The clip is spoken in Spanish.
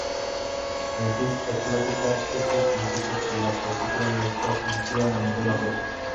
En física clásica esto significa que la partícula no está sometida a ninguna fuerza.